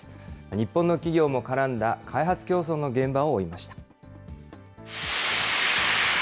日本の企業も絡んだ、開発競争の現場を追いました。